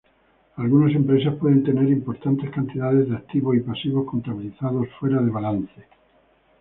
Algunas empresas pueden tener importantes cantidades de activos y pasivos contabilizados fuera de balance.